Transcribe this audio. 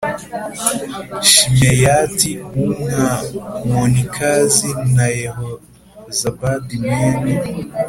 Shimeyati w Umwamonikazi na Yehozabadi mwene